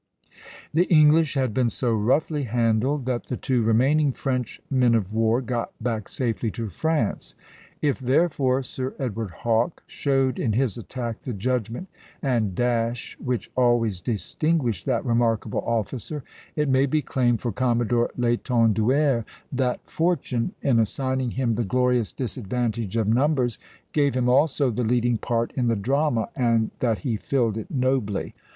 The English had been so roughly handled that the two remaining French men of war got back safely to France. If, therefore, Sir Edward Hawke showed in his attack the judgment and dash which always distinguished that remarkable officer, it may be claimed for Commodore l'Étenduère that fortune, in assigning him the glorious disadvantage of numbers, gave him also the leading part in the drama, and that he filled it nobly.